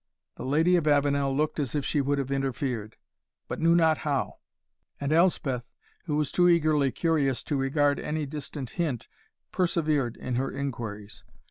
The Lady of Avenel looked as if she would have interfered, but knew not how; and Elspeth, who was too eagerly curious to regard any distant hint, persevered in her inquiries.